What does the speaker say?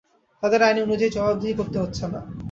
তাদের আইন অনুযায়ী জবাবদিহি করতে হচ্ছে না।